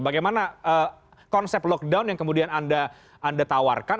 bagaimana konsep lockdown yang kemudian anda tawarkan